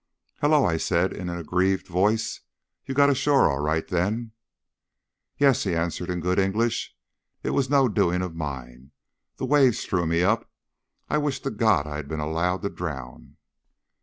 "Hullo!" I said, in an aggrieved voice. "You got ashore all right, then?" "Yes," he answered, in good English. "It was no doing of mine. The waves threw me up. I wish to God I had been allowed to drown!"